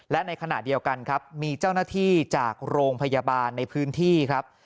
และในขณะเดียวกันครับมีเจ้าหน้าที่จากโรงพยาบาลในพื้นที่ครับ